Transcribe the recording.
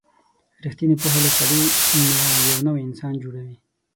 رښتینې پوهه له سړي نه یو نوی انسان جوړوي.